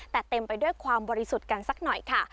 แต่เต็มไปด้วยความบริสุทธิ์กันสักหน่อยค่ะ